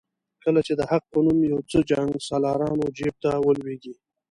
کله چې د حق په نوم یو څه جنګسالارانو جیب ته ولوېږي.